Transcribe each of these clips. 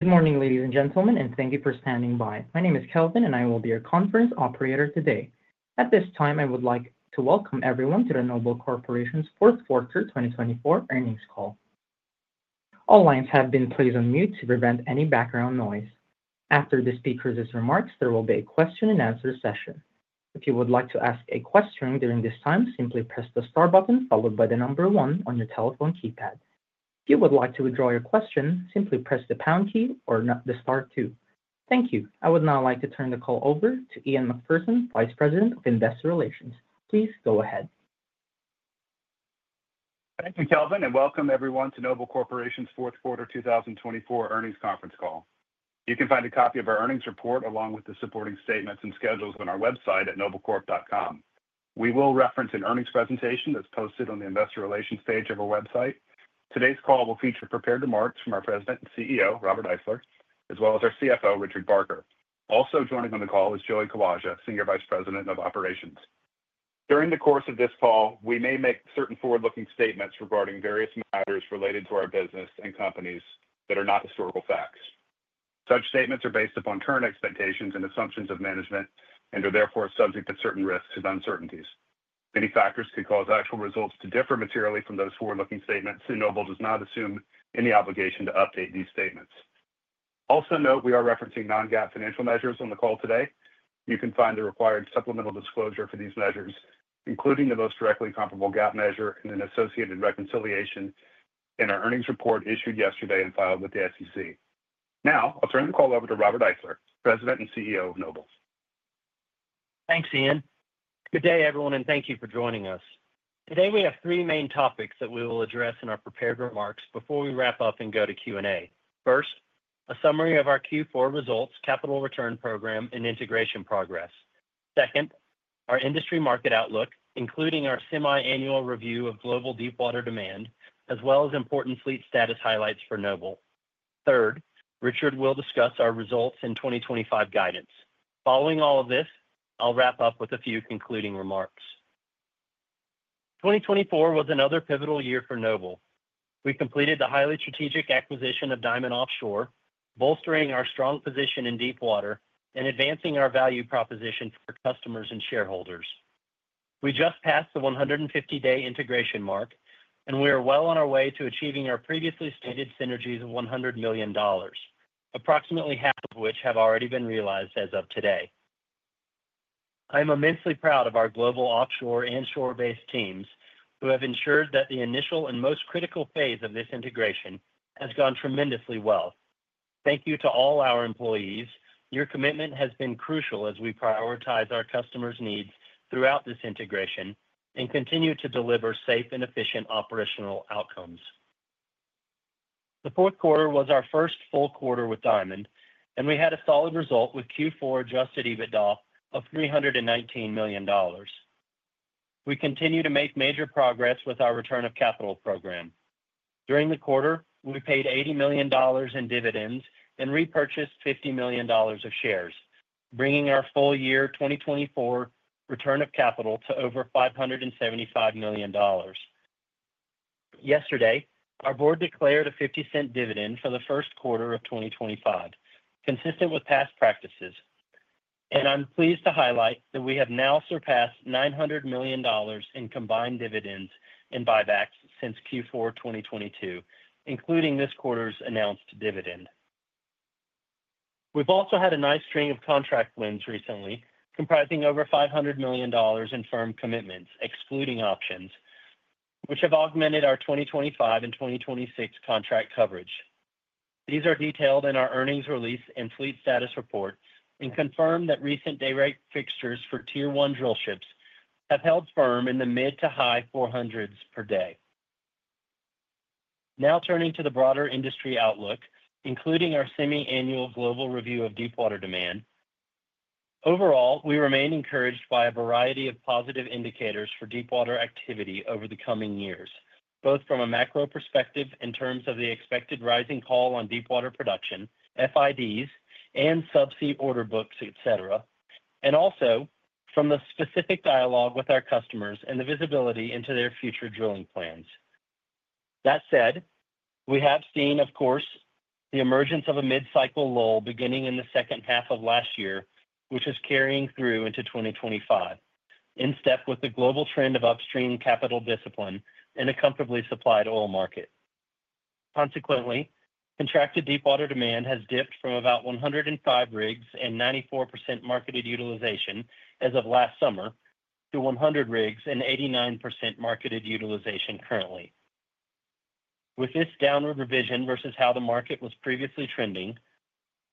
Good morning, ladies and gentlemen, and thank you for standing by. My name is Kelvin, and I will be your conference operator today. At this time, I would like to welcome everyone to the Noble Corporation's Fourth Quarter 2024 Earnings Call. All lines have been placed on mute to prevent any background noise. After the speaker's remarks, there will be a question-and-answer session. If you would like to ask a question during this time, simply press the star button followed by the number one on your telephone keypad. If you would like to withdraw your question, simply press the pound key or the star two. Thank you. I would now like to turn the call over to Ian Macpherson, Vice President of Investor Relations. Please go ahead. Thank you, Kelvin, and welcome everyone to Noble Corporation's Fourth Quarter 2024 earnings conference call. You can find a copy of our earnings report along with the supporting statements and schedules on our website at noblecorp.com. We will reference an earnings presentation that's posted on the Investor Relations page of our website. Today's call will feature prepared remarks from our President and CEO, Robert Eifler, as well as our CFO, Richard Barker. Also joining on the call is Joey Kawaja, Senior Vice President of Operations. During the course of this call, we may make certain forward-looking statements regarding various matters related to our business and companies that are not historical facts. Such statements are based upon current expectations and assumptions of management and are therefore subject to certain risks and uncertainties. Many factors could cause actual results to differ materially from those forward-looking statements, and Noble does not assume any obligation to update these statements. Also note, we are referencing non-GAAP financial measures on the call today. You can find the required supplemental disclosure for these measures, including the most directly comparable GAAP measure and an associated reconciliation in our earnings report issued yesterday and filed with the SEC. Now, I'll turn the call over to Robert Eifler, President and CEO of Noble. Thanks, Ian. Good day, everyone, and thank you for joining us. Today, we have three main topics that we will address in our prepared remarks before we wrap up and go to Q&A. First, a summary of our Q4 results, capital return program, and integration progress. Second, our industry market outlook, including our semi-annual review of global deepwater demand, as well as important fleet status highlights for Noble. Third, Richard will discuss our results and 2025 guidance. Following all of this, I'll wrap up with a few concluding remarks. 2024 was another pivotal year for Noble. We completed the highly strategic acquisition of Diamond Offshore, bolstering our strong position in deep water and advancing our value proposition for customers and shareholders. We just passed the 150-day integration mark, and we are well on our way to achieving our previously stated synergies of $100 million, approximately half of which have already been realized as of today. I am immensely proud of our global offshore and shore-based teams who have ensured that the initial and most critical phase of this integration has gone tremendously well. Thank you to all our employees. Your commitment has been crucial as we prioritize our customers' needs throughout this integration and continue to deliver safe and efficient operational outcomes. The fourth quarter was our first full quarter with Diamond, and we had a solid result with Q4 adjusted EBITDA of $319 million. We continue to make major progress with our return of capital program. During the quarter, we paid $80 million in dividends and repurchased $50 million of shares, bringing our full year 2024 return of capital to over $575 million. Yesterday, our board declared a $0.50 dividend for the first quarter of 2025, consistent with past practices. And I'm pleased to highlight that we have now surpassed $900 million in combined dividends and buybacks since Q4 2022, including this quarter's announced dividend. We've also had a nice string of contract wins recently, comprising over $500 million in firm commitments, excluding options, which have augmented our 2025 and 2026 contract coverage. These are detailed in our earnings release and fleet status report and confirm that recent day rate fixtures for Tier-1 drill ships have held firm in the mid- to high 400s per day. Now turning to the broader industry outlook, including our semi-annual global review of deepwater demand, overall, we remain encouraged by a variety of positive indicators for deepwater activity over the coming years, both from a macro perspective in terms of the expected rising call on deepwater production, FIDs, and subsea order books, etc., and also from the specific dialogue with our customers and the visibility into their future drilling plans. That said, we have seen, of course, the emergence of a mid-cycle lull beginning in the second half of last year, which is carrying through into 2025, in step with the global trend of upstream capital discipline and a comfortably supplied oil market. Consequently, contracted deepwater demand has dipped from about 105 rigs and 94% marketed utilization as of last summer to 100 rigs and 89% marketed utilization currently. With this downward revision versus how the market was previously trending,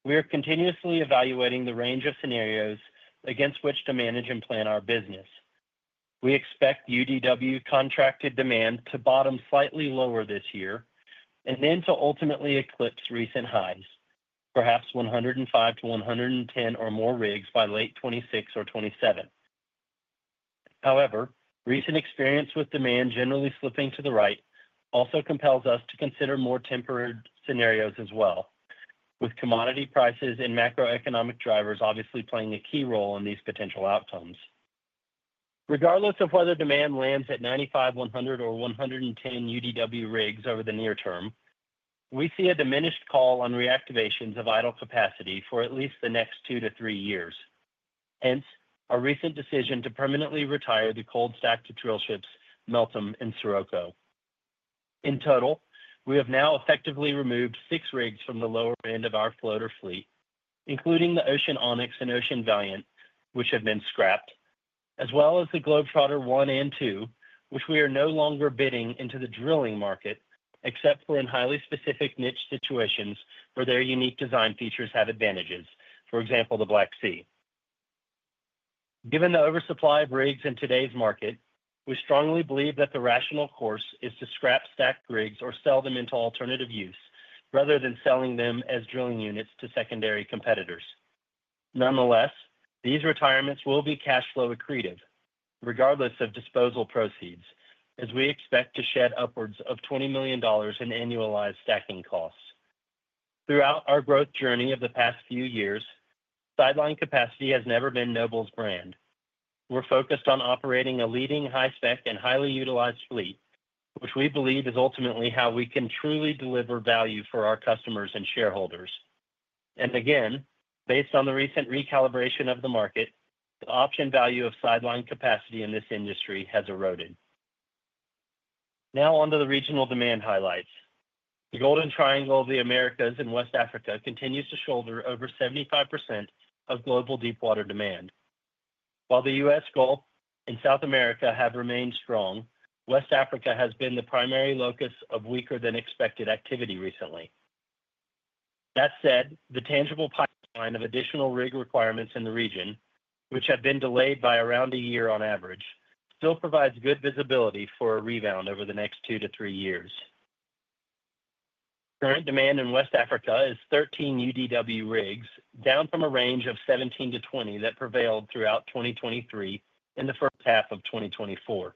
we are continuously evaluating the range of scenarios against which to manage and plan our business. We expect UDW contracted demand to bottom slightly lower this year and then to ultimately eclipse recent highs, perhaps 105-110 or more rigs by late 2026 or 2027. However, recent experience with demand generally slipping to the right also compels us to consider more temporary scenarios as well, with commodity prices and macroeconomic drivers obviously playing a key role in these potential outcomes. Regardless of whether demand lands at 95, 100, or 110 UDW rigs over the near term, we see a diminished call on reactivations of idle capacity for at least the next two to three years. Hence, our recent decision to permanently retire the cold-stacked drill ships Meltem and Scirocco. In total, we have now effectively removed six rigs from the lower end of our floater fleet, including the Ocean Onyx and Ocean Valiant, which have been scrapped, as well as the Noble Globetrotter I and II, which we are no longer bidding into the drilling market except for in highly specific niche situations where their unique design features have advantages, for example, the Black Sea. Given the oversupply of rigs in today's market, we strongly believe that the rational course is to scrap stacked rigs or sell them into alternative use rather than selling them as drilling units to secondary competitors. Nonetheless, these retirements will be cash flow accretive, regardless of disposal proceeds, as we expect to shed upwards of $20 million in annualized stacking costs. Throughout our growth journey of the past few years, sideline capacity has never been Noble's brand. We're focused on operating a leading high-spec and highly utilized fleet, which we believe is ultimately how we can truly deliver value for our customers and shareholders. And again, based on the recent recalibration of the market, the option value of sideline capacity in this industry has eroded. Now on to the regional demand highlights. The Golden Triangle of the Americas and West Africa continues to shoulder over 75% of global deepwater demand. While the U.S. Gulf and South America have remained strong, West Africa has been the primary locus of weaker-than-expected activity recently. That said, the tangible pipeline of additional rig requirements in the region, which have been delayed by around a year on average, still provides good visibility for a rebound over the next two to three years. Current demand in West Africa is 13 UDW rigs, down from a range of 17-20 that prevailed throughout 2023 in the first half of 2024.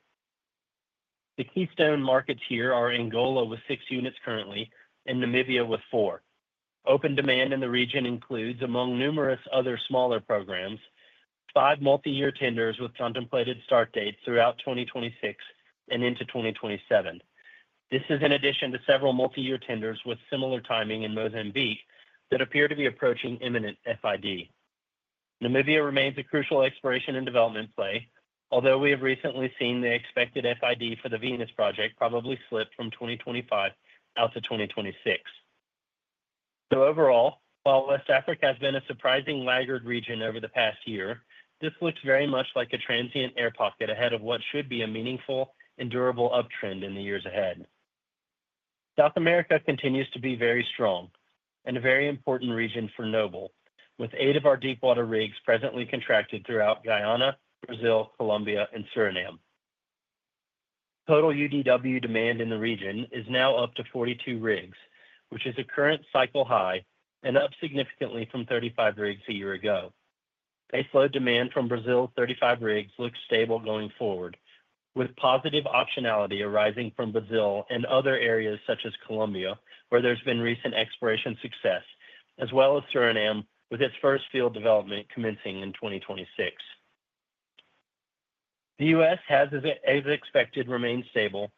The keystone markets here are Angola with six units currently and Namibia with four. Open demand in the region includes, among numerous other smaller programs, five multi-year tenders with contemplated start dates throughout 2026 and into 2027. This is in addition to several multi-year tenders with similar timing in Mozambique that appear to be approaching imminent FID. Namibia remains a crucial exploration and development play, although we have recently seen the expected FID for the Venus project probably slip from 2025 out to 2026, so overall, while West Africa has been a surprising laggard region over the past year, this looks very much like a transient air pocket ahead of what should be a meaningful and durable uptrend in the years ahead. South America continues to be very strong and a very important region for Noble, with eight of our deepwater rigs presently contracted throughout Guyana, Brazil, Colombia, and Suriname. Total UDW demand in the region is now up to 42 rigs, which is a current cycle high and up significantly from 35 rigs a year ago. Baseload demand from Brazil's 35 rigs looks stable going forward, with positive optionality arising from Brazil and other areas such as Colombia, where there's been recent exploration success, as well as Suriname, with its first field development commencing in 2026. The U.S. has, as expected, remained stable,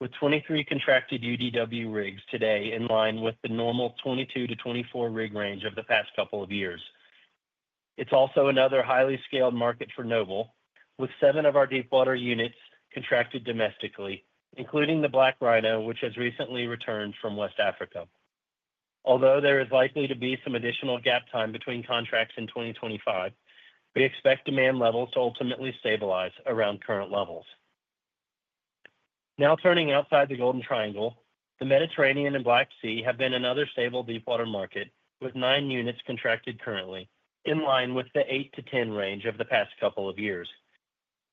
with 23 contracted UDW rigs today in line with the normal 22-24 rig range of the past couple of years. It's also another highly scaled market for Noble, with seven of our deepwater units contracted domestically, including the BlackRhino, which has recently returned from West Africa. Although there is likely to be some additional gap time between contracts in 2025, we expect demand levels to ultimately stabilize around current levels. Now turning outside the Golden Triangle, the Mediterranean and Black Sea have been another stable deepwater market, with nine units contracted currently, in line with the 8-10 range of the past couple of years.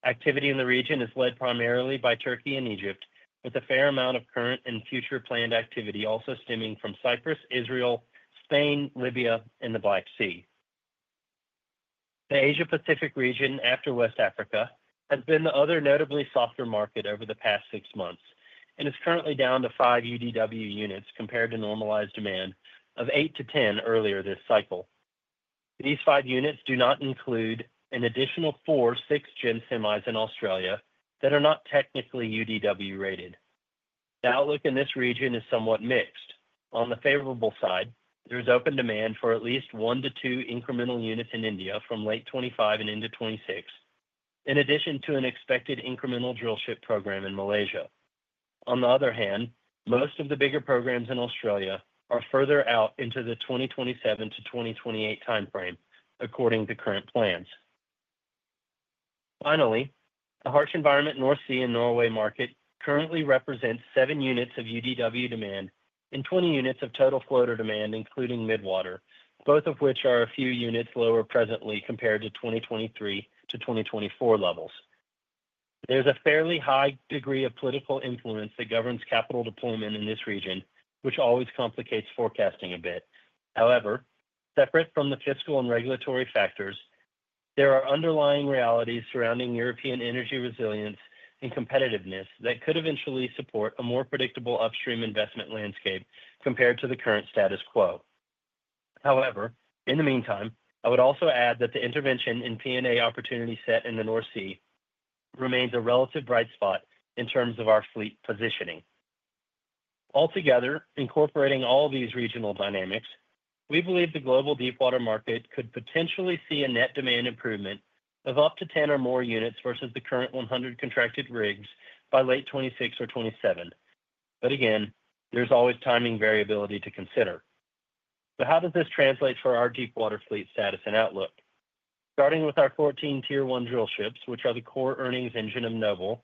Activity in the region is led primarily by Turkey and Egypt, with a fair amount of current and future planned activity also stemming from Cyprus, Israel, Spain, Libya, and the Black Sea. The Asia-Pacific region, after West Africa, has been the other notably softer market over the past six months and is currently down to five UDW units compared to normalized demand of 8-10 earlier this cycle. These five units do not include an additional four 6th-gen semis in Australia that are not technically UDW rated. The outlook in this region is somewhat mixed. On the favorable side, there is open demand for at least one to two incremental units in India from late 2025 and into 2026, in addition to an expected incremental drillship program in Malaysia. On the other hand, most of the bigger programs in Australia are further out into the 2027-2028 timeframe, according to current plans. Finally, the harsh environment North Sea and Norway market currently represents seven units of UDW demand and 20 units of total floater demand, including midwater, both of which are a few units lower presently compared to 2023 to 2024 levels. There's a fairly high degree of political influence that governs capital deployment in this region, which always complicates forecasting a bit. However, separate from the fiscal and regulatory factors, there are underlying realities surrounding European energy resilience and competitiveness that could eventually support a more predictable upstream investment landscape compared to the current status quo. However, in the meantime, I would also add that the intervention in P&A opportunity set in the North Sea remains a relative bright spot in terms of our fleet positioning. Altogether, incorporating all these regional dynamics, we believe the global deepwater market could potentially see a net demand improvement of up to 10 or more units versus the current 100 contracted rigs by late 2026 or 2027. But again, there's always timing variability to consider. So how does this translate for our deepwater fleet status and outlook? Starting with our 14 Tier-1 drill ships, which are the core earnings engine of Noble,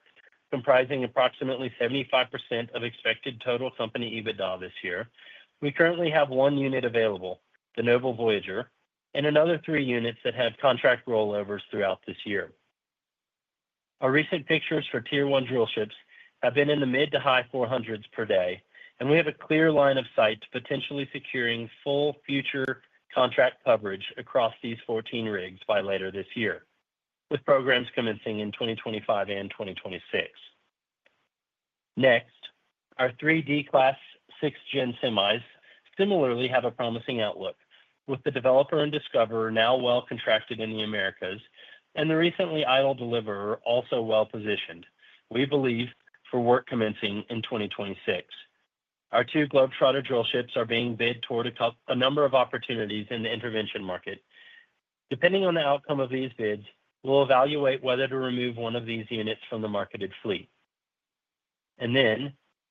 comprising approximately 75% of expected total company EBITDA this year, we currently have one unit available, the Noble Voyager, and another three units that have contract rollovers throughout this year. Our recent pictures for Tier-1 drill ships have been in the mid- to high $400s per day, and we have a clear line of sight to potentially securing full future contract coverage across these 14 rigs by later this year, with programs commencing in 2025 and 2026. Next, our three D-class 6th-gen semis similarly have a promising outlook, with the Developer and Discoverer now well contracted in the Americas and the recently idle Deliverer also well positioned. We believe for work commencing in 2026. Our two Globetrotter drill ships are being bid toward a number of opportunities in the intervention market. Depending on the outcome of these bids, we'll evaluate whether to remove one of these units from the marketed fleet.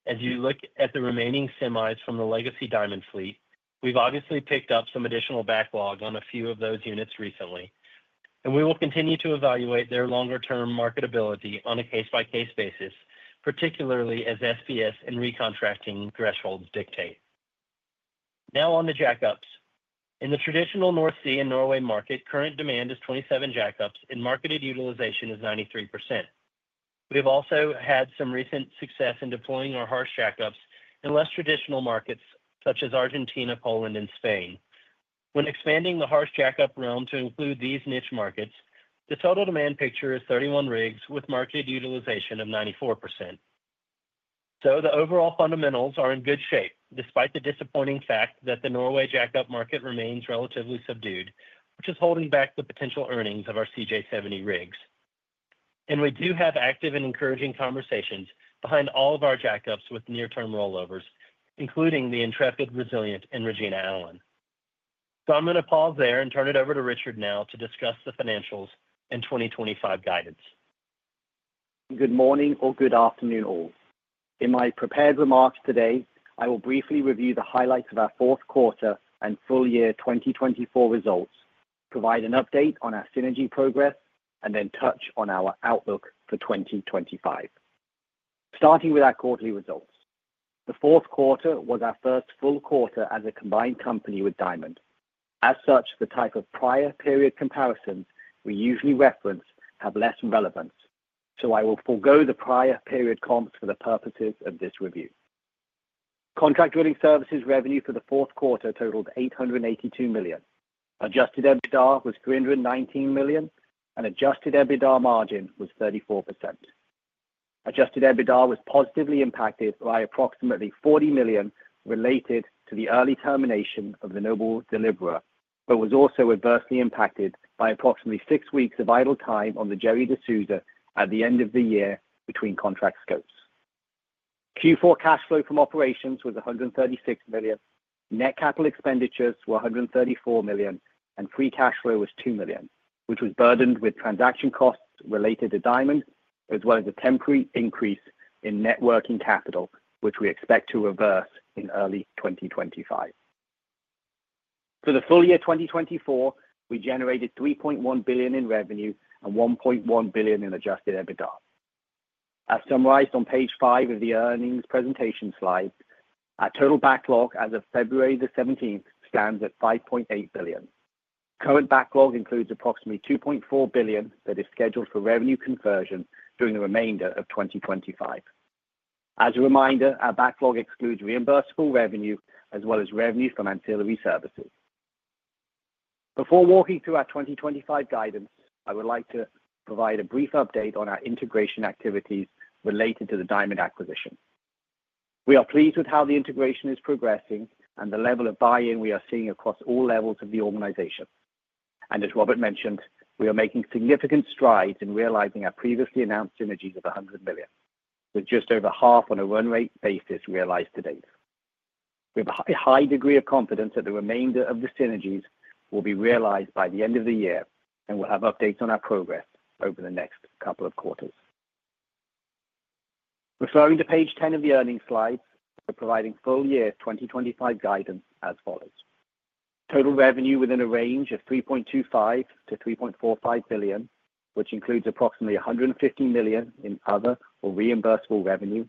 As you look at the remaining semis from the legacy Diamond fleet, we've obviously picked up some additional backlog on a few of those units recently, and we will continue to evaluate their longer-term marketability on a case-by-case basis, particularly as SPS and recontracting thresholds dictate. Now on the jackups. In the traditional North Sea and Norway market, current demand is 27 jackups, and marketed utilization is 93%. We have also had some recent success in deploying our harsh jackups in less traditional markets such as Argentina, Poland, and Spain. When expanding the harsh jackup realm to include these niche markets, the total demand picture is 31 rigs with marketed utilization of 94%. The overall fundamentals are in good shape, despite the disappointing fact that the Norway jackup market remains relatively subdued, which is holding back the potential earnings of our CJ70 rigs. We do have active and encouraging conversations behind all of our jackups with near-term rollovers, including the Intrepid, Resilient, and Regina Allen. I'm going to pause there and turn it over to Richard now to discuss the financials and 2025 guidance. Good morning or good afternoon, all. In my prepared remarks today, I will briefly review the highlights of our fourth quarter and full year 2024 results, provide an update on our synergy progress, and then touch on our outlook for 2025. Starting with our quarterly results, the fourth quarter was our first full quarter as a combined company with Diamond. As such, the type of prior period comparisons we usually reference have less relevance, so I will forego the prior period comps for the purposes of this review. Contract-drilling services revenue for the fourth quarter totaled $882 million. Adjusted EBITDA was $319 million, and adjusted EBITDA margin was 34%. Adjusted EBITDA was positively impacted by approximately $40 million related to the early termination of the Noble Deliverer, but was also adversely impacted by approximately six weeks of idle time on the Noble Gerry de Souza at the end of the year between contract scopes. Q4 cash flow from operations was $136 million, net capital expenditures were $134 million, and free cash flow was $2 million, which was burdened with transaction costs related to Diamond, as well as a temporary increase in working capital, which we expect to reverse in early 2025. For the full year 2024, we generated $3.1 billion in revenue and $1.1 billion in adjusted EBITDA. As summarized on page five of the earnings presentation slide, our total backlog as of February the 17th stands at $5.8 billion. Current backlog includes approximately $2.4 billion that is scheduled for revenue conversion during the remainder of 2025. As a reminder, our backlog excludes reimbursable revenue, as well as revenue from ancillary services. Before walking through our 2025 guidance, I would like to provide a brief update on our integration activities related to the Diamond acquisition. We are pleased with how the integration is progressing and the level of buy-in we are seeing across all levels of the organization, and as Robert mentioned, we are making significant strides in realizing our previously announced synergies of $100 million, with just over half on a run rate basis realized to date. We have a high degree of confidence that the remainder of the synergies will be realized by the end of the year and will have updates on our progress over the next couple of quarters. Referring to page 10 of the earnings slides, we're providing full year 2025 guidance as follows. Total revenue within a range of $3.25-$3.45 billion, which includes approximately $150 million in other or reimbursable revenue.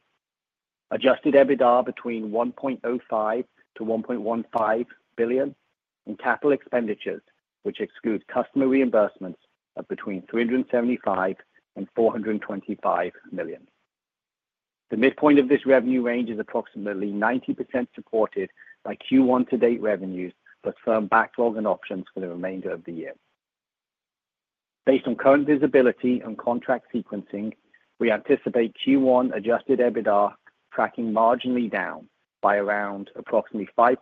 Adjusted EBITDA between $1.05-$1.15 billion, and capital expenditures, which excludes customer reimbursements, are between $375 million and $425 million. The midpoint of this revenue range is approximately 90% supported by Q1 to date revenues for firm backlog and options for the remainder of the year. Based on current visibility and contract sequencing, we anticipate Q1 adjusted EBITDA tracking marginally down by around approximately 5%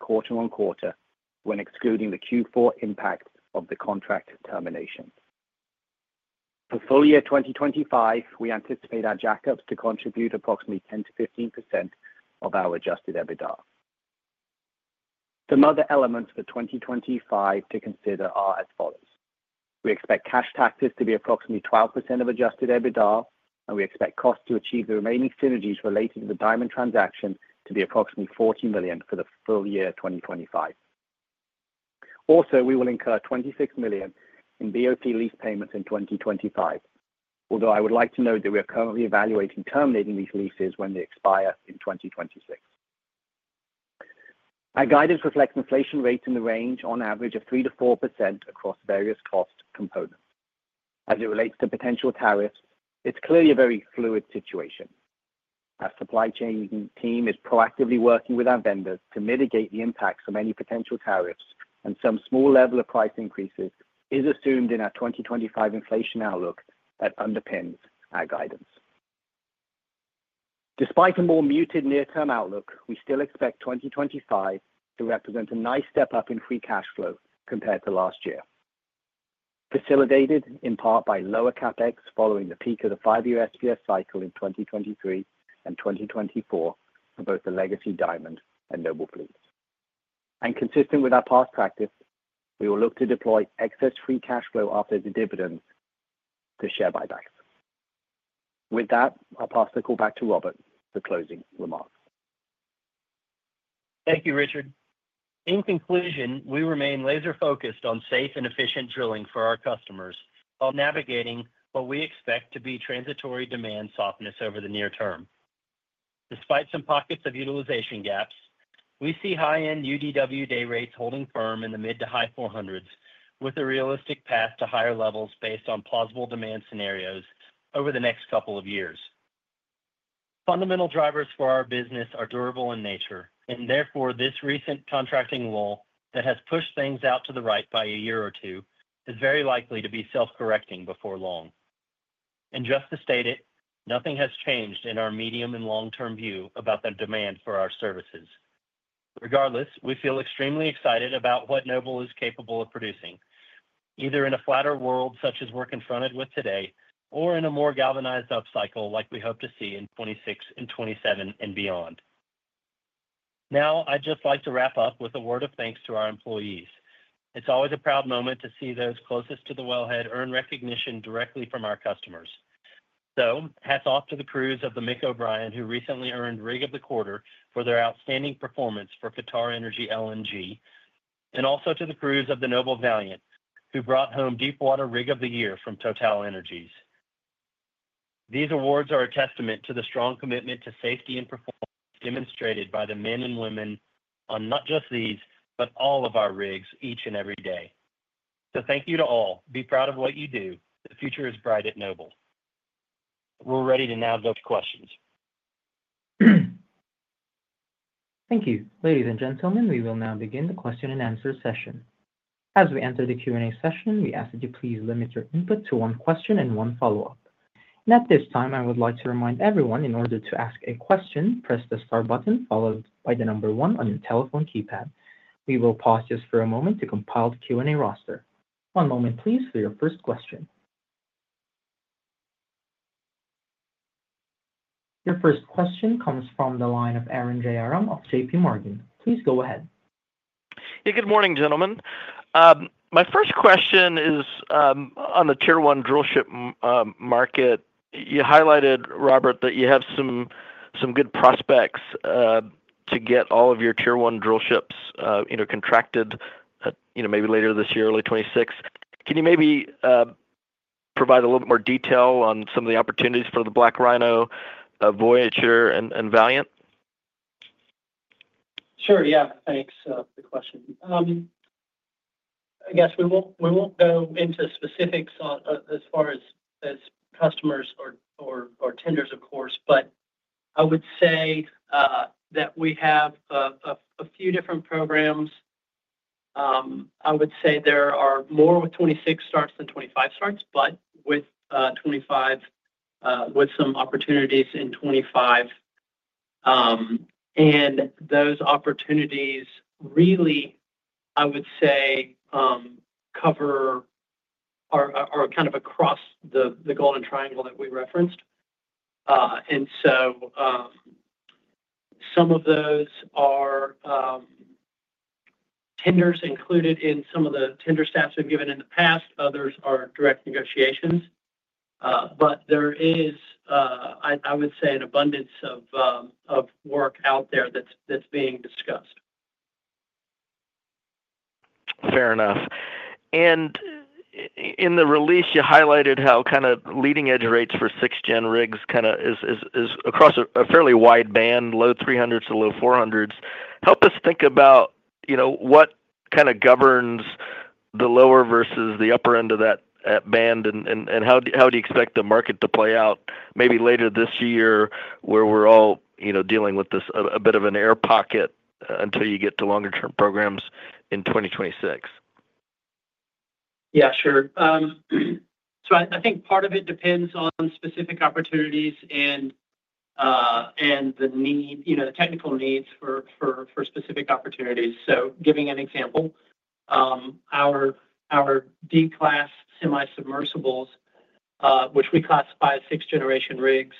quarter on quarter when excluding the Q4 impact of the contract termination. For full year 2025, we anticipate our jackups to contribute approximately 10%-15% of our adjusted EBITDA. Some other elements for 2025 to consider are as follows. We expect cash taxes to be approximately 12% of adjusted EBITDA, and we expect costs to achieve the remaining synergies related to the Diamond transaction to be approximately $40 million for the full year 2025. Also, we will incur $26 million in BOP lease payments in 2025, although I would like to note that we are currently evaluating terminating these leases when they expire in 2026. Our guidance reflects inflation rates in the range on average of 3%-4% across various cost components. As it relates to potential tariffs, it's clearly a very fluid situation. Our supply chain team is proactively working with our vendors to mitigate the impacts of any potential tariffs, and some small level of price increases is assumed in our 2025 inflation outlook that underpins our guidance. Despite a more muted near-term outlook, we still expect 2025 to represent a nice step up in free cash flow compared to last year, facilitated in part by lower CapEx following the peak of the five-year SPS cycle in 2023 and 2024 for both the legacy Diamond and Noble fleets. And consistent with our past practice, we will look to deploy excess free cash flow after the dividends to share buybacks. With that, I'll pass the call back to Robert for closing remarks. Thank you, Richard. In conclusion, we remain laser-focused on safe and efficient drilling for our customers while navigating what we expect to be transitory demand softness over the near term. Despite some pockets of utilization gaps, we see high-end UDW day rates holding firm in the mid to high 400s with a realistic path to higher levels based on plausible demand scenarios over the next couple of years. Fundamental drivers for our business are durable in nature, and therefore this recent contracting lull that has pushed things out to the right by a year or two is very likely to be self-correcting before long, and just to state it, nothing has changed in our medium and long-term view about the demand for our services. Regardless, we feel extremely excited about what Noble is capable of producing, either in a flatter world such as we're confronted with today or in a more galvanized upcycle like we hope to see in 2026 and 2027 and beyond. Now, I'd just like to wrap up with a word of thanks to our employees. It's always a proud moment to see those closest to the wellhead earn recognition directly from our customers, so hats off to the crews of the Mick O'Brien, who recently earned Rig of the Quarter for their outstanding performance for QatarEnergy LNG, and also to the crews of the Noble Valiant, who brought home Deepwater Rig of the Year from TotalEnergies. These awards are a testament to the strong commitment to safety and performance demonstrated by the men and women on not just these, but all of our rigs each and every day, so thank you to all. Be proud of what you do. The future is bright at Noble. We're ready to now go to questions. Thank you. Ladies and gentlemen, we will now begin the question and answer session. As we enter the Q&A session, we ask that you please limit your input to one question and one follow-up. At this time, I would like to remind everyone in order to ask a question, press the star button followed by the number one on your telephone keypad. We will pause just for a moment to compile the Q&A roster. One moment, please, for your first question. Your first question comes from the line of Arun Jayaram of JPMorgan. Please go ahead. Yeah, good morning, gentlemen. My first question is on the Tier-1 drill ship market. You highlighted, Robert, that you have some good prospects to get all of your Tier-1 drill ships contracted maybe later this year, early 2026. Can you maybe provide a little bit more detail on some of the opportunities for the BlackRhino, Voyager, and Valiant? Sure, yeah. Thanks for the question. I guess we won't go into specifics as far as customers or tenders, of course, but I would say that we have a few different programs. I would say there are more with 2026 starts than 2025 starts, but with 2025, with some opportunities in 2025. And those opportunities really, I would say, cover or are kind of across the Golden Triangle that we referenced. And so some of those are tenders included in some of the tender stats we've given in the past. Others are direct negotiations. But there is, I would say, an abundance of work out there that's being discussed. Fair enough. And in the release, you highlighted how kind of leading-edge rates for 6th-gen rigs kind of is across a fairly wide band, low 300s to low 400s. Help us think about what kind of governs the lower versus the upper end of that band, and how do you expect the market to play out maybe later this year where we're all dealing with a bit of an air pocket until you get to longer-term programs in 2026? Yeah, sure. So I think part of it depends on specific opportunities and the technical needs for specific opportunities. So giving an example, our D-class semisubmersibles, which we classify as 6th-generation rigs,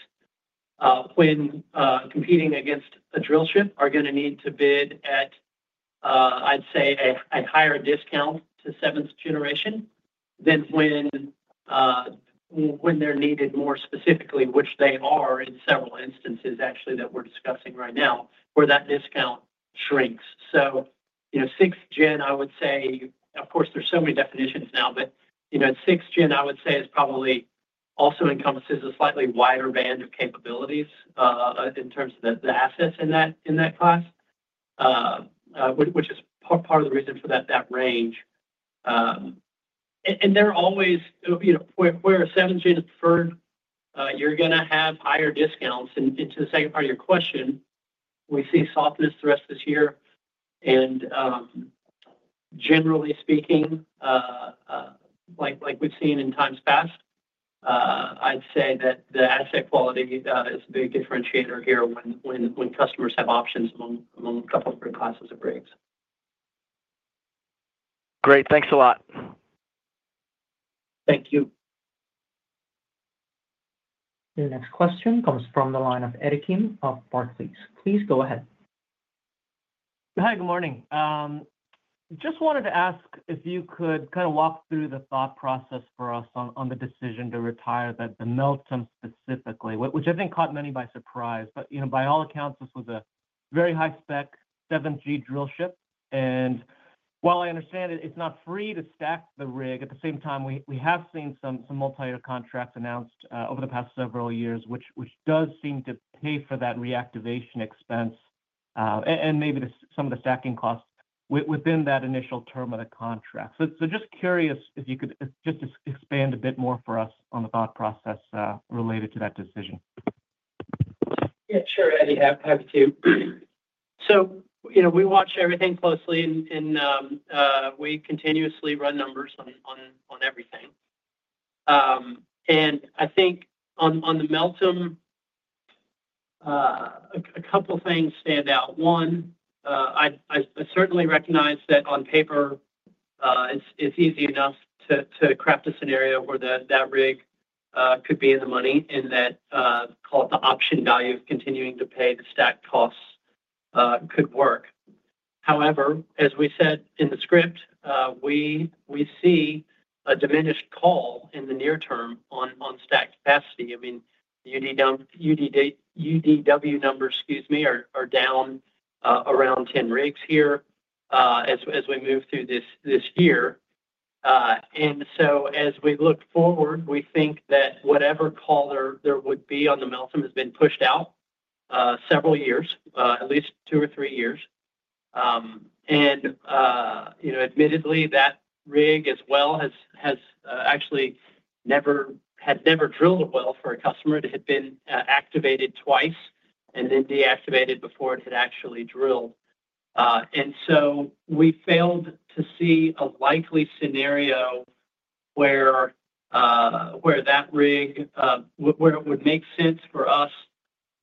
when competing against a drillship are going to need to bid at, I'd say, a higher discount to 7th-generation than when they're needed more specifically, which they are in several instances, actually, that we're discussing right now, where that discount shrinks. So 6th-gen, I would say, of course, there's so many definitions now, but 6th-gen, I would say, is probably also encompasses a slightly wider band of capabilities in terms of the assets in that class, which is part of the reason for that range. And they're always where a 7th-gen is preferred, you're going to have higher discounts. And to the second part of your question, we see softness the rest of this year. And generally speaking, like we've seen in times past, I'd say that the asset quality is a big differentiator here when customers have options among a couple of different classes of rigs. Great. Thanks a lot. Thank you. The next question comes from the line of Eddie Kim of Barclays. Please go ahead. Hi, good morning. Just wanted to ask if you could kind of walk through the thought process for us on the decision to retire the Meltem specifically, which I think caught many by surprise. But by all accounts, this was a very high-spec 7G drillship. And while I understand it's not free to stack the rig, at the same time, we have seen some multi-year contracts announced over the past several years, which does seem to pay for that reactivation expense and maybe some of the stacking costs within that initial term of the contract. So just curious if you could just expand a bit more for us on the thought process related to that decision. Yeah, sure, Eddie. Happy to. So we watch everything closely, and we continuously run numbers on everything. And I think on the Meltem, a couple of things stand out. One, I certainly recognize that on paper, it's easy enough to craft a scenario where that rig could be in the money and that, call it the option value of continuing to pay the stacked costs could work. However, as we said in the script, we see a diminished call in the near term on stacked capacity. I mean, UDW numbers, excuse me, are down around 10 rigs here as we move through this year. And so as we look forward, we think that whatever call there would be on the Meltem has been pushed out several years, at least two or three years. And admittedly, that rig as well has actually had never drilled a well for a customer. It had been activated twice and then deactivated before it had actually drilled. And so we failed to see a likely scenario where that rig, where it would make sense for us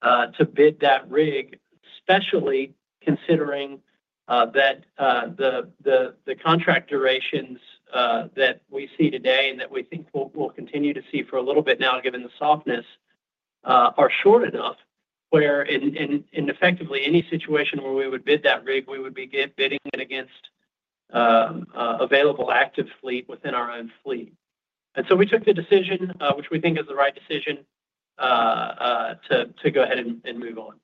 to bid that rig, especially considering that the contract durations that we see today and that we think we'll continue to see for a little bit now, given the softness, are short enough where in effectively any situation where we would bid that rig, we would be bidding it against available active fleet within our own fleet. And so we took the decision, which we think is the right decision, to go ahead and move on.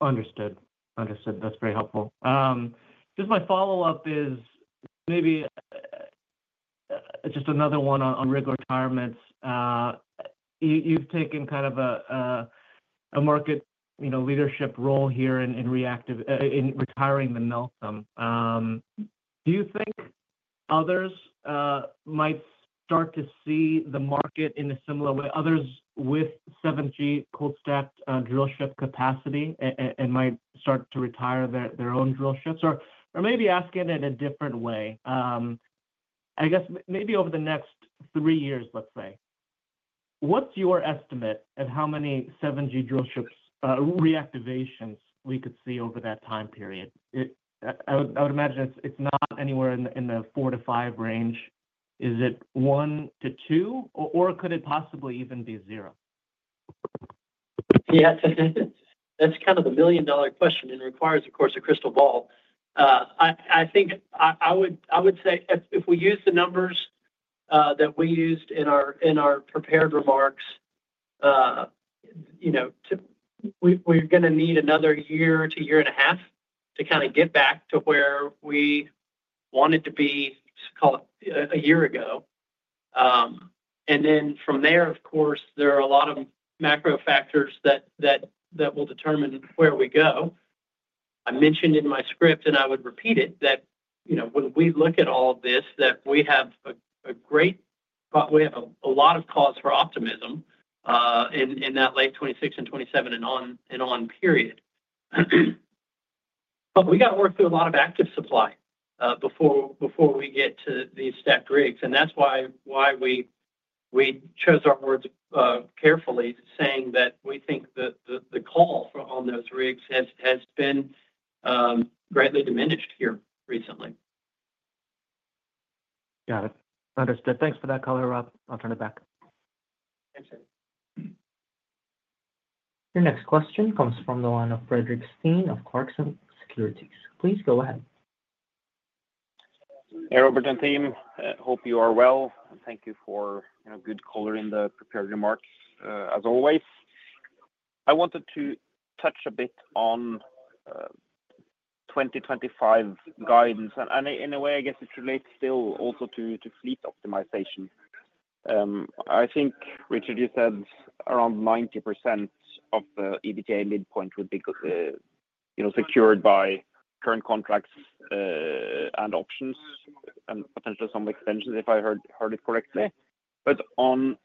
Understood. Understood. That's very helpful. Just my follow-up is maybe just another one on rig retirements. You've taken kind of a market leadership role here in retiring the Meltem. Do you think others might start to see the market in a similar way? Others with 7G cold-stacked drillship capacity and might start to retire their own drillships? Or maybe ask it in a different way. I guess maybe over the next three years, let's say, what's your estimate of how many 7G drillship reactivations we could see over that time period? I would imagine it's not anywhere in the four to five range. Is it one to two, or could it possibly even be zero? Yeah, that's kind of the million-dollar question and requires, of course, a crystal ball. I think I would say if we use the numbers that we used in our prepared remarks, we're going to need another year to year and a half to kind of get back to where we wanted to be a year ago. And then from there, of course, there are a lot of macro factors that will determine where we go. I mentioned in my script, and I would repeat it, that when we look at all of this, that we have a lot of cause for optimism in that late 2026 and 2027 and on period. But we got to work through a lot of active supply before we get to these stacked rigs. And that's why we chose our words carefully, saying that we think the call on those rigs has been greatly diminished here recently. Got it. Understood. Thanks for that, Robert. I'll turn it back. Thanks, Eddie. Your next question comes from the line of Fredrik Stene of Clarksons Securities. Please go ahead. Hey, Robert and team. Hope you are well. Thank you for a good color in the prepared remarks, as always. I wanted to touch a bit on 2025 guidance. In a way, I guess it relates still also to fleet optimization. I think, Richard, you said around 90% of the EBITDA midpoint would be secured by current contracts and options and potentially some extensions, if I heard it correctly. But on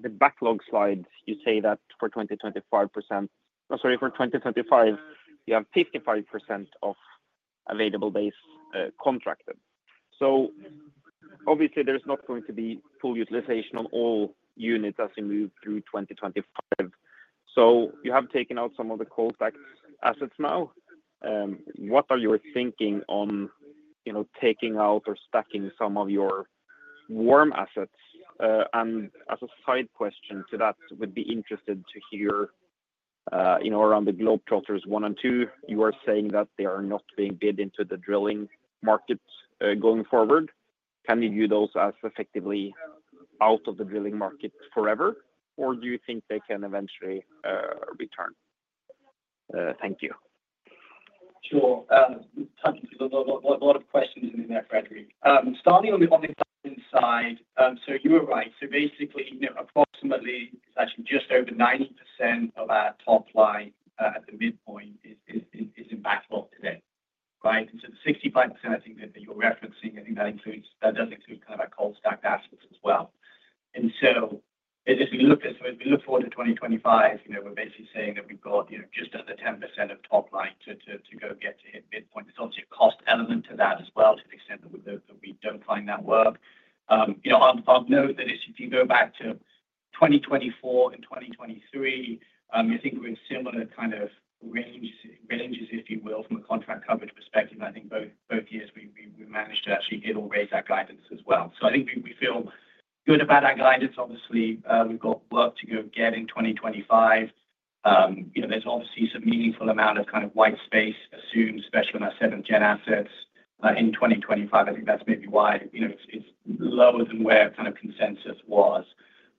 the backlog slide, you say that for 2025, I'm sorry, for 2025, you have 55% of available base contracted. So obviously, there's not going to be full utilization on all units as you move through 2025. So you have taken out some of the cold-stacked assets now. What are your thinking on taking out or stacking some of your warm assets? And as a side question to that, would be interested to hear around the Globetrotters I and II, you are saying that they are not being bid into the drilling market going forward. Can you view those as effectively out of the drilling market forever, or do you think they can eventually return? Thank you. Sure. Thank you. There's a lot of questions in there, Fredrik. Starting on the back end side, so you were right. So basically, approximately, it's actually just over 90% of our top line at the midpoint is in backlog today, right? And so the 65% I think that you're referencing, I think that does include kind of our cold-stacked assets as well. And so as we look at, so as we look forward to 2025, we're basically saying that we've got just under 10% of top line to go get to hit midpoint. There's obviously a cost element to that as well to the extent that we don't find that work. I'll note that if you go back to 2024 and 2023, I think we're in similar kind of ranges, if you will, from a contract coverage perspective, and I think both years, we managed to actually hit or raise that guidance as well, so I think we feel good about our guidance. Obviously, we've got work to go get in 2025. There's obviously some meaningful amount of kind of white space assumed, especially on our 7th-gen assets in 2025. I think that's maybe why it's lower than where kind of consensus was,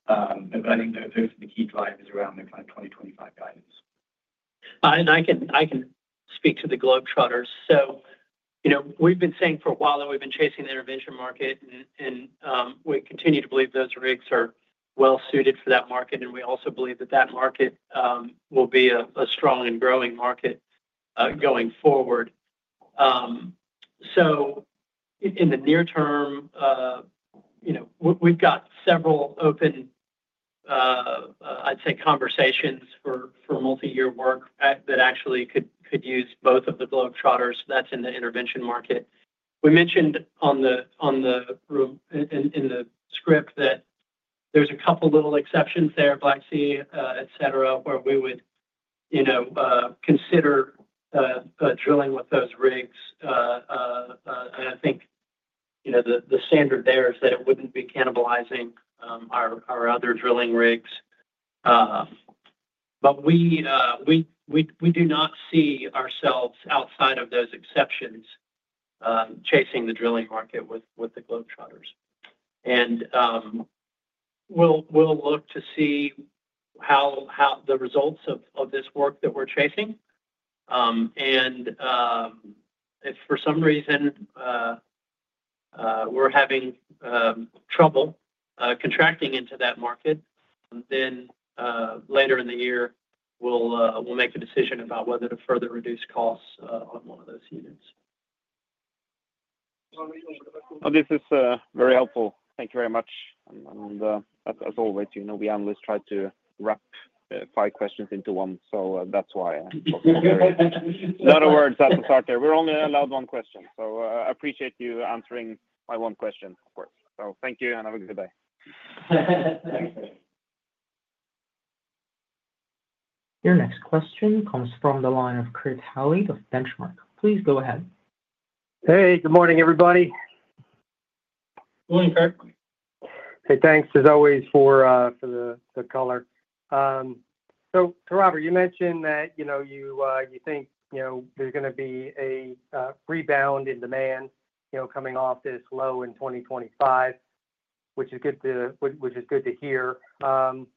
but I think those are the key drivers around the kind of 2025 guidance. And I can speak to the Globetrotters, so we've been saying for a while that we've been chasing the intervention market, and we continue to believe those rigs are well-suited for that market. We also believe that that market will be a strong and growing market going forward. So in the near term, we've got several open, I'd say, conversations for multi-year work that actually could use both of the Globetrotters. That's in the intervention market. We mentioned in the script that there's a couple of little exceptions there, Black Sea, etc., where we would consider drilling with those rigs. And I think the standard there is that it wouldn't be cannibalizing our other drilling rigs. But we do not see ourselves outside of those exceptions chasing the drilling market with the Globetrotters. And we'll look to see the results of this work that we're chasing. And if for some reason we're having trouble contracting into that market, then later in the year, we'll make a decision about whether to further reduce costs on one of those units. This is very helpful. Thank you very much, and as always, we always try to wrap five questions into one, so that's why. In other words, that's the start there. We're only allowed one question, so I appreciate you answering my one question, of course, so thank you and have a good day. Thanks. Your next question comes from the line of Kurt Hallead of Benchmark. Please go ahead. Hey, good morning, everybody. Good morning, Kurt. Hey, thanks, as always, for the color, so Robert, you mentioned that you think there's going to be a rebound in demand coming off this low in 2025, which is good to hear. I'm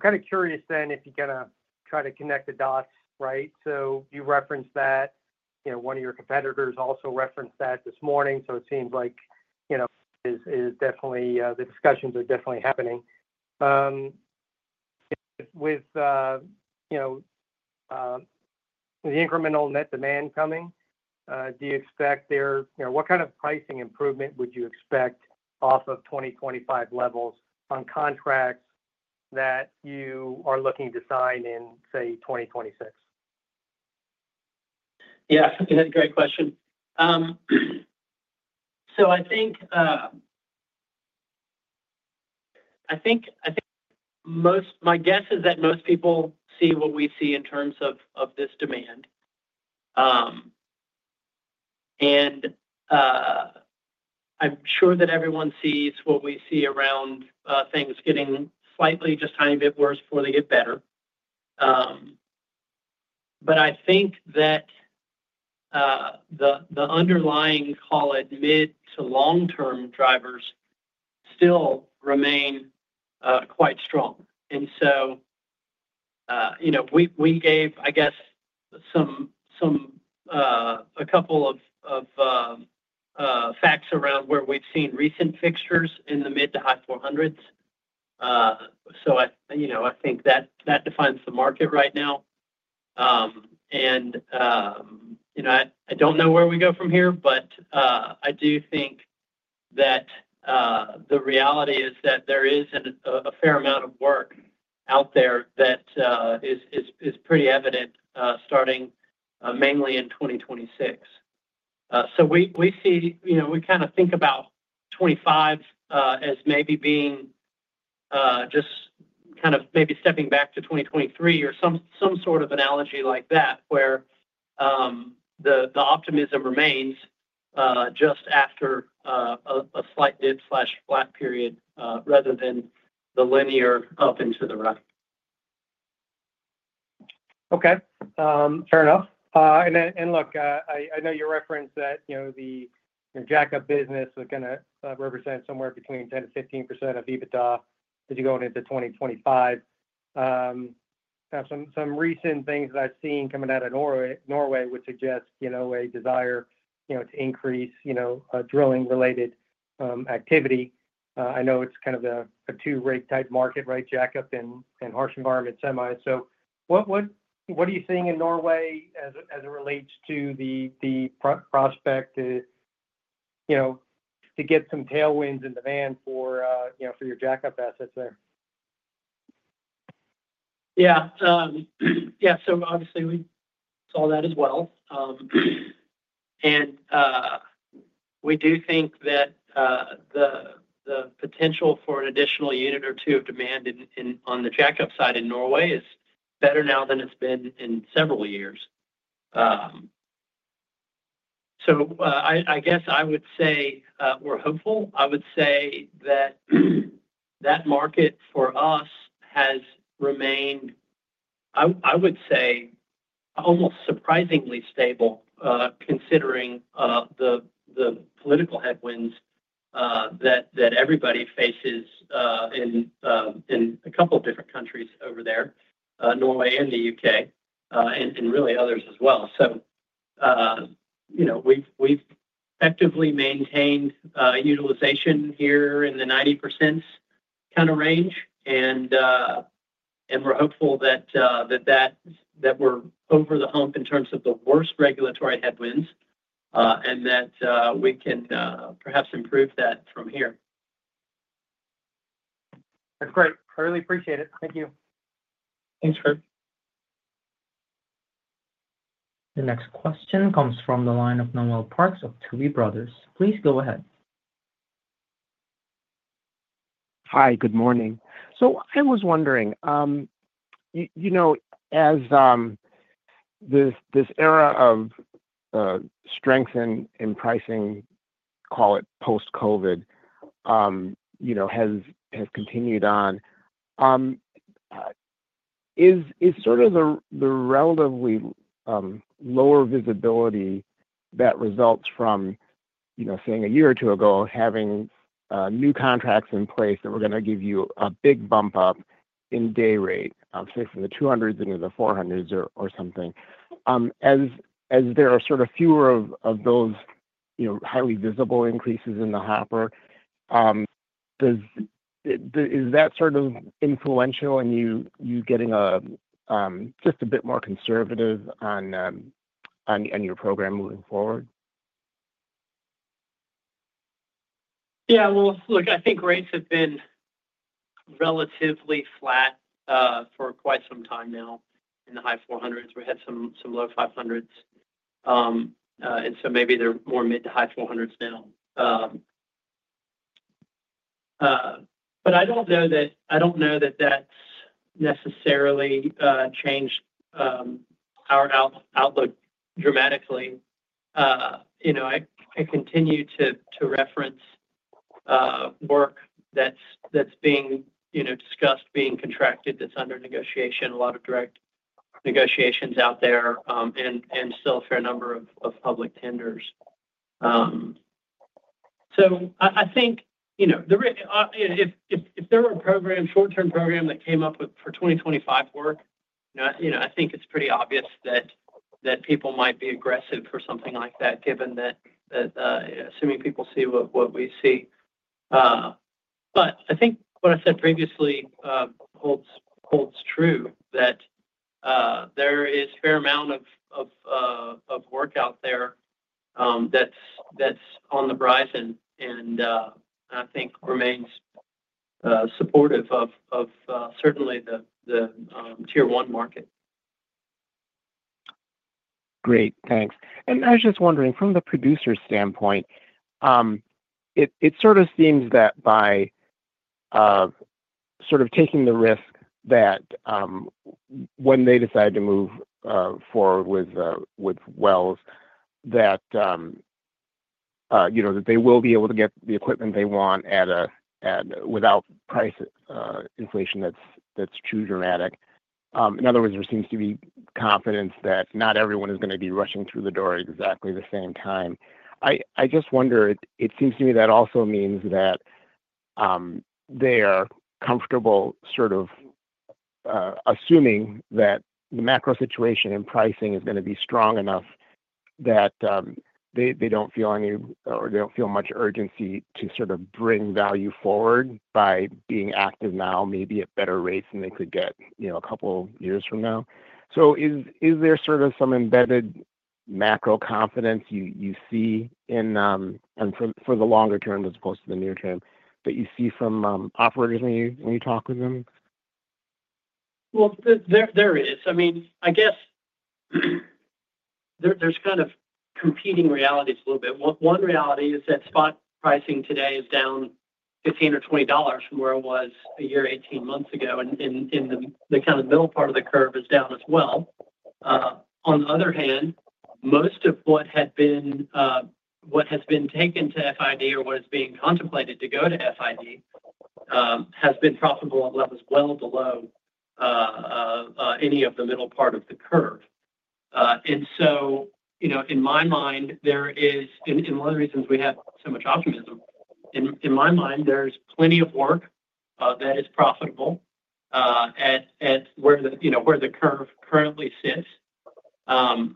kind of curious then if you're going to try to connect the dots, right, so you referenced that. One of your competitors also referenced that this morning, so it seems like definitely the discussions are definitely happening. With the incremental net demand coming, do you expect there what kind of pricing improvement would you expect off of 2025 levels on contracts that you are looking to sign in, say, 2026? Yeah. Great question, so I think my guess is that most people see what we see in terms of this demand, and I'm sure that everyone sees what we see around things getting slightly just a tiny bit worse before they get better, but I think that the underlying, call it mid to long-term drivers still remain quite strong, and so we gave, I guess, a couple of facts around where we've seen recent fixtures in the mid to high 400s, so I think that defines the market right now. I don't know where we go from here, but I do think that the reality is that there is a fair amount of work out there that is pretty evident starting mainly in 2026, so we see we kind of think about 2025 as maybe being just kind of maybe stepping back to 2023 or some sort of analogy like that, where the optimism remains just after a slight dip/flat period rather than the linear up into the right. Okay. Fair enough, and look, I know you referenced that the jack-up business was going to represent somewhere between 10%-15% of EBITDA as you go into 2025. Some recent things that I've seen coming out of Norway would suggest a desire to increase drilling-related activity. I know it's kind of a two-rig type market, right, jack-up and harsh environment semi. So what are you seeing in Norway as it relates to the prospect to get some tailwinds in demand for your jack-up assets there? Yeah. Yeah. So obviously, we saw that as well. And we do think that the potential for an additional unit or two of demand on the jack-up side in Norway is better now than it's been in several years. So I guess I would say we're hopeful. I would say that that market for us has remained, I would say, almost surprisingly stable considering the political headwinds that everybody faces in a couple of different countries over there, Norway and the U.K., and really others as well. So we've effectively maintained utilization here in the 90% kind of range. And we're hopeful that we're over the hump in terms of the worst regulatory headwinds and that we can perhaps improve that from here. That's great. I really appreciate it. Thank you. Thanks, Kurt. Your next question comes from the line of Noel Parks of Tuohy Brothers. Please go ahead. Hi. Good morning. So I was wondering, as this era of strength in pricing, call it post-COVID, has continued on, is sort of the relatively lower visibility that results from, say, a year or two ago, having new contracts in place that were going to give you a big bump up in day rate, say, from the $200s into the $400s or something? As there are sort of fewer of those highly visible increases in the hopper, is that sort of influential in you getting just a bit more conservative on your program moving forward? Yeah. Well, look, I think rates have been relatively flat for quite some time now. In the high $400s. We had some low $500s. And so maybe they're more mid to high 400s now. But I don't know that that's necessarily changed our outlook dramatically. I continue to reference work that's being discussed, being contracted, that's under negotiation, a lot of direct negotiations out there, and still a fair number of public tenders. So I think if there were a short-term program that came up for 2025 work, I think it's pretty obvious that people might be aggressive for something like that, assuming people see what we see. But I think what I said previously holds true, that there is a fair amount of work out there that's on the horizon and I think remains supportive of certainly the Tier-1 market. Great. Thanks. I was just wondering, from the producer's standpoint, it sort of seems that by sort of taking the risk that when they decide to move forward with wells, that they will be able to get the equipment they want without price inflation that's too dramatic. In other words, there seems to be confidence that not everyone is going to be rushing through the door at exactly the same time. I just wonder, it seems to me that also means that they are comfortable sort of assuming that the macro situation and pricing is going to be strong enough that they don't feel any or they don't feel much urgency to sort of bring value forward by being active now, maybe at better rates than they could get a couple of years from now. So is there sort of some embedded macro confidence you see for the longer term as opposed to the near term that you see from operators when you talk with them? Well, there is. I mean, I guess there's kind of competing realities a little bit. One reality is that spot pricing today is down $15 or $20 from where it was a year 18 months ago. And the kind of middle part of the curve is down as well. On the other hand, most of what has been taken to FID or what is being contemplated to go to FID has been profitable at levels well below any of the middle part of the curve. And so in my mind, there is, and one of the reasons we have so much optimism, in my mind, there's plenty of work that is profitable at where the curve currently sits. I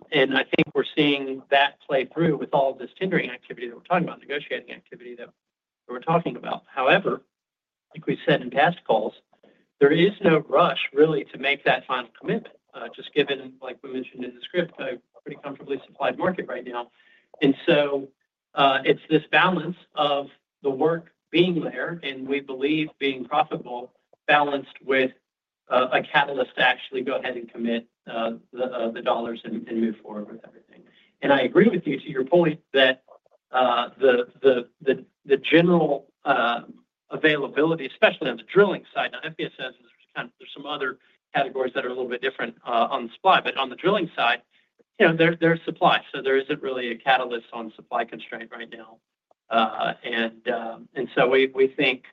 think we're seeing that play through with all of this tendering activity that we're talking about, negotiating activity that we're talking about. However, like we've said in past calls, there is no rush really to make that final commitment, just given, like we mentioned in the script, a pretty comfortably supplied market right now, so it's this balance of the work being there and we believe being profitable, balanced with a catalyst to actually go ahead and commit the dollars and move forward with everything, I agree with you to your point that the general availability, especially on the drilling side, on FPSs, there's some other categories that are a little bit different on the supply, but on the drilling side, there's supply, so there isn't really a catalyst on supply constraint right now. And so we think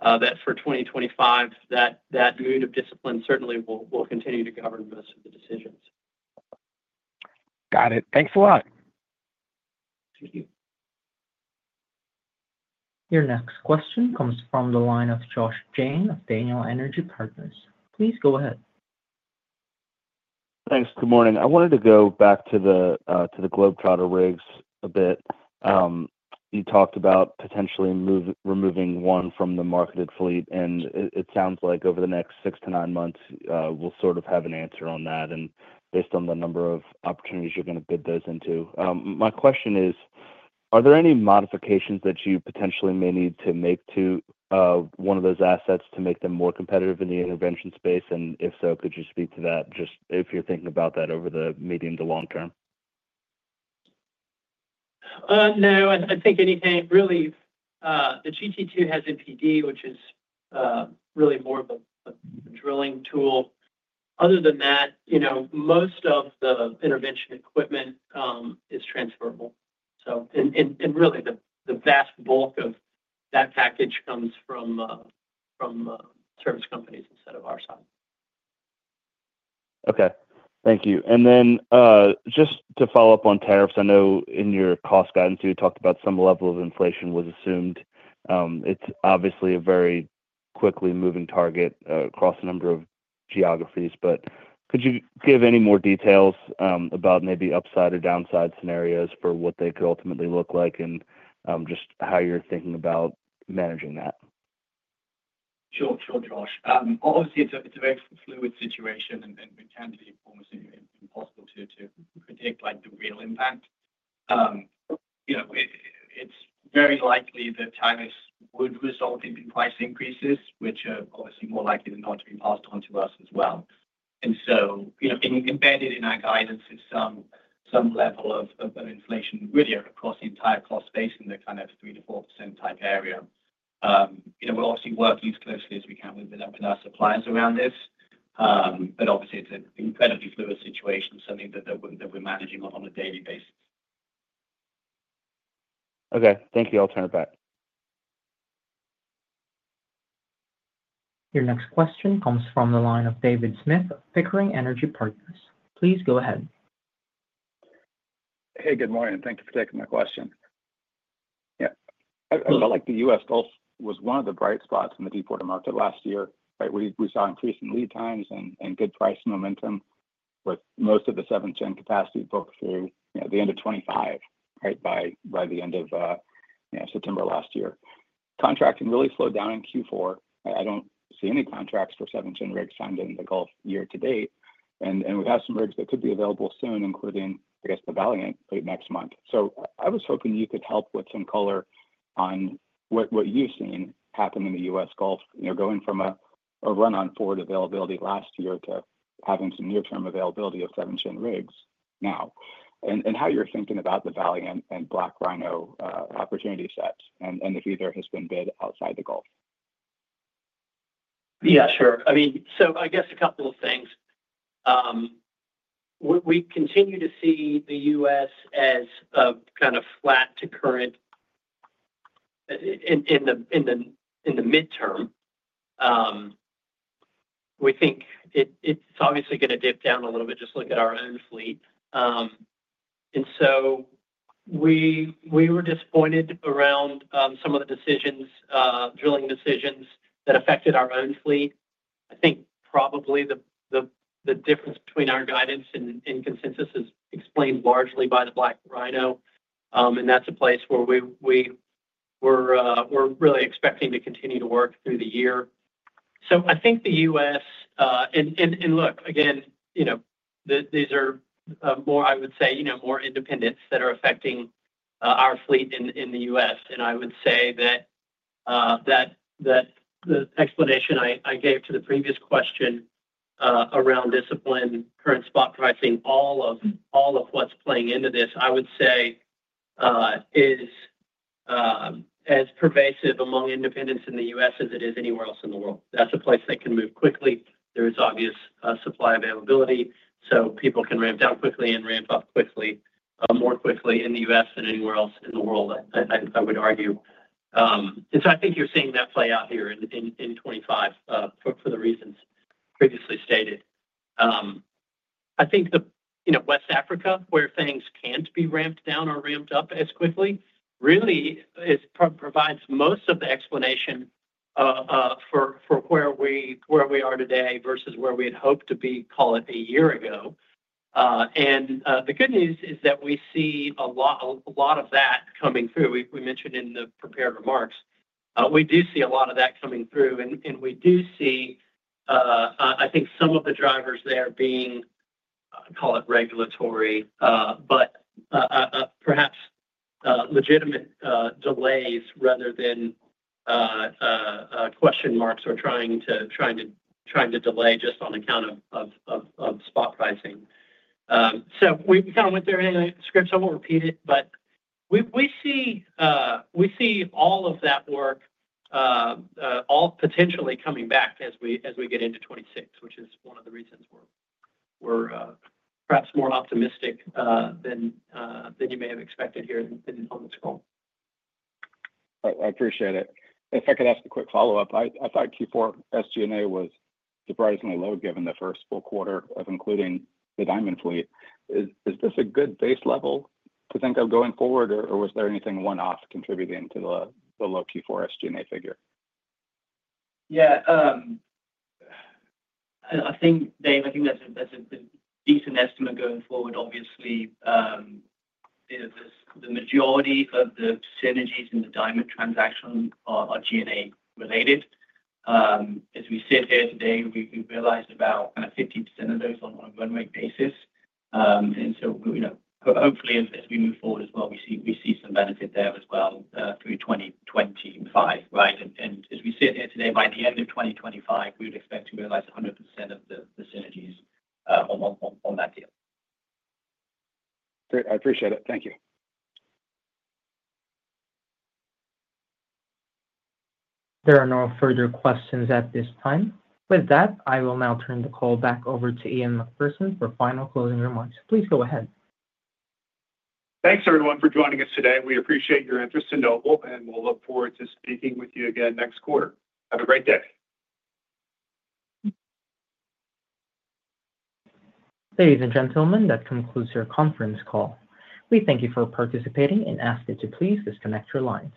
that for 2025, that mood of discipline certainly will continue to govern most of the decisions. Got it. Thanks a lot. Thank you. Your next question comes from the line of Josh Jayne of Daniel Energy Partners. Please go ahead. Thanks. Good morning. I wanted to go back to the Globetrotter rigs a bit. You talked about potentially removing one from the marketed fleet. And it sounds like over the next six to nine months, we'll sort of have an answer on that based on the number of opportunities you're going to bid those into. My question is, are there any modifications that you potentially may need to make to one of those assets to make them more competitive in the intervention space? And if so, could you speak to that just if you're thinking about that over the medium to long term? No. I think anything really, the GT2 has MPD, which is really more of a drilling tool. Other than that, most of the intervention equipment is transferable. And really, the vast bulk of that package comes from service companies instead of our side. Okay. Thank you. And then just to follow up on tariffs, I know in your cost guidance, you talked about some level of inflation was assumed. It's obviously a very quickly moving target across a number of geographies. But could you give any more details about maybe upside or downside scenarios for what they could ultimately look like and just how you're thinking about managing that? Sure, sure, Josh. Obviously, it's a very fluid situation, and it can be almost impossible to predict the real impact. It's very likely that tariffs would result in price increases, which are obviously more likely than not to be passed on to us as well. And so embedded in our guidance is some level of inflation really across the entire cost space in the kind of 3%-4% type area. We're obviously working as closely as we can with our suppliers around this. But obviously, it's an incredibly fluid situation, something that we're managing on a daily basis. Okay. Thank you. I'll turn it back. Your next question comes from the line of David Smith of Pickering Energy Partners. Please go ahead. Hey, good morning. Thank you for taking my question. Yeah. I felt like the U.S. Gulf was one of the bright spots in the deep water market last year, right? We saw increasing lead times and good price momentum with most of the 7th-gen capacity booked through the end of 2025, right, by the end of September last year. Contracting really slowed down in Q4. I don't see any contracts for 7th-gen rigs signed in the Gulf year to date, and we have some rigs that could be available soon, including, I guess, the Valiant late next month. So I was hoping you could help with some color on what you've seen happen in the U.S. Gulf, going from a run-on forward availability last year to having some near-term availability of 7th-gen rigs now, and how you're thinking about the Valiant and BlackRhino opportunity sets, and if either has been bid outside the Gulf. Yeah, sure. I mean, so I guess a couple of things. We continue to see the U.S. as kind of flat to current in the midterm. We think it's obviously going to dip down a little bit just looking at our own fleet, and so we were disappointed around some of the drilling decisions that affected our own fleet. I think probably the difference between our guidance and consensus is explained largely by the BlackRhino, and that's a place where we were really expecting to continue to work through the year. So I think the U.S., and look, again, these are more, I would say, more independents that are affecting our fleet in the U.S., and I would say that the explanation I gave to the previous question around discipline, current spot pricing, all of what's playing into this, I would say, is as pervasive among independents in the U.S. as it is anywhere else in the world. That's a place that can move quickly. There is obvious supply availability. So people can ramp down quickly and ramp up more quickly in the U.S. than anywhere else in the world, I would argue. And so I think you're seeing that play out here in 2025 for the reasons previously stated. I think West Africa, where things can't be ramped down or ramped up as quickly, really provides most of the explanation for where we are today versus where we had hoped to be, call it a year ago. And the good news is that we see a lot of that coming through. We mentioned in the prepared remarks, we do see a lot of that coming through. We do see, I think, some of the drivers there being, call it regulatory, but perhaps legitimate delays rather than question marks or trying to delay just on account of spot pricing. So we kind of went through any scripts. I won't repeat it. But we see all of that work potentially coming back as we get into 2026, which is one of the reasons we're perhaps more optimistic than you may have expected here on this call. I appreciate it. If I could ask a quick follow-up, I thought Q4 SG&A was surprisingly low given the first full quarter of including the Diamond fleet. Is this a good base level to think of going forward, or was there anything one-off contributing to the low Q4 SG&A figure? Yeah. I think, Dave, I think that's a decent estimate going forward, obviously. The majority of the synergies in the Diamond transaction are G&A related. As we sit here today, we've realized about kind of 50% of those on a one-week basis, and so hopefully, as we move forward as well, we see some benefit there as well through 2025, right? And as we sit here today, by the end of 2025, we would expect to realize 100% of the synergies on that deal. Great. I appreciate it. Thank you. There are no further questions at this time. With that, I will now turn the call back over to Ian Macpherson for final closing remarks. Please go ahead. Thanks, everyone, for joining us today. We appreciate your interest in Noble, and we'll look forward to speaking with you again next quarter. Have a great day. Ladies and gentlemen, that concludes your conference call. We thank you for participating and ask you to please disconnect your lines.